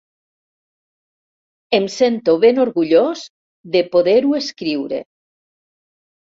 Em sento ben orgullós de poder-ho escriure.